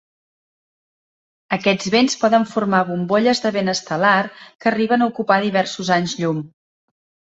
Aquests vents poden formar bombolles de vent estel·lar que arriben a ocupar diversos anys llum.